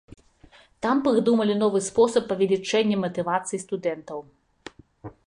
Там прыдумалі новы спосаб павелічэння матывацыі студэнтаў.